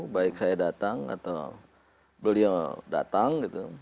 baik saya datang atau beliau datang